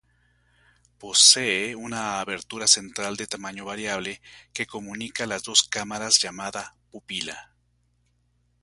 Posee una abertura central de tamaño variable que comunica las dos cámaras llamada pupila.